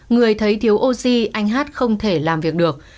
người thấy thiếu oxy anh hát không thể làm việc được